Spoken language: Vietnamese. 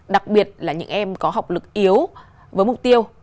đặc biệt là những em có học lực yếu với mục tiêu